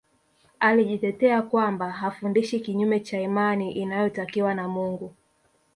Alijitetea kwamba hafundishi kinyume cha imani inayotakiwa na Mungu